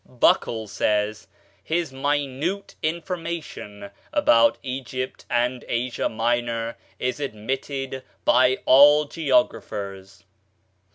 Buckle says, "His minute information about Egypt and Asia Minor is admitted by all geographers."